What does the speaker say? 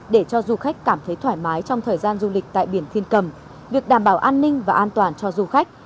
để cho du khách cảm thấy thoải mái trong thời gian du lịch tại biển thiên cầm việc đảm bảo an ninh và an toàn cho du khách